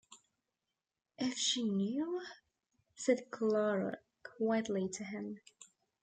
“If she knew!” said Clara quietly to him.